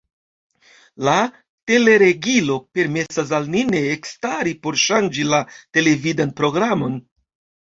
La teleregilo permesas al ni ne ekstari por ŝanĝi la televidan programon.